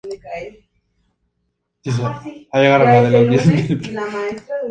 Fue integrante del movimiento Movimiento de Liberación Nacional-Tupamaros.